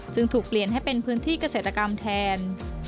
ถูกเปลี่ยนให้เป็นพื้นที่เกษตรกรรมแทน